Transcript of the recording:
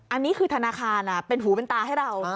อันนี้คือธนาคารเป็นหูเป็นตาให้เรา